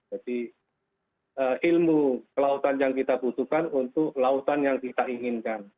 jadi ilmu kelautan yang kita butuhkan untuk kelautan yang kita inginkan